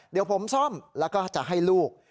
เดี๋ยวผมซ่อมแล้วก็จะให้ลูก